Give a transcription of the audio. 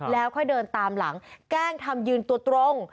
แล้วค่อยเดินตามหลังแกล้งทำยืนตัวตรง